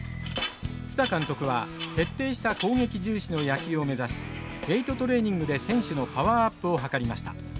蔦監督は徹底した攻撃重視の野球を目指しウエイトトレーニングで選手のパワーアップを図りました。